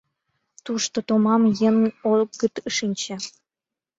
Тушто томам еҥ огыт шинче.